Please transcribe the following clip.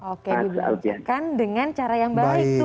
oke dibelanjakan dengan cara yang baik tuh